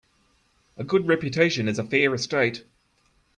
A good reputation is a fair estate.